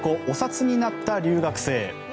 お札になった留学生」。